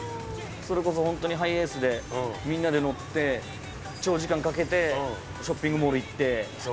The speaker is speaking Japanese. それこそ本当にハイエースで、みんなで乗って、長時間かけて、ショッピングモール行って。